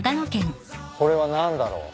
これは何だろう？